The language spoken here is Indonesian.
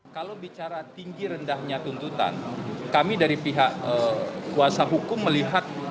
kalau bicara tinggi rendahnya tuntutan kami dari pihak kuasa hukum melihat